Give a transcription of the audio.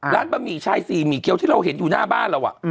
ร้านบะหมี่ชายซีหมี่เคี้ยวที่เราเห็นอยู่หน้าบ้านเราอ่ะ